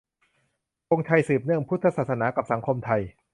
ธงชัย : สืบเนื่อง - พุทธศาสนากับสังคมไทย